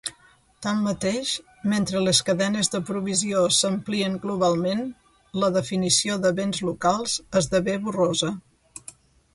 Tanmateix, mentre les cadenes de provisió s'amplien globalment, la definició de bens locals esdevé borrosa.